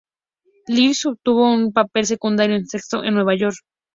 List obtuvo un papel secundario en "Sexo en Nueva York".